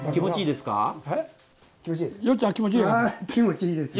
気持ちいいですか？